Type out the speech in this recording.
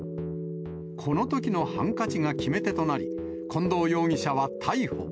このときのハンカチが決め手となり、近藤容疑者は逮捕。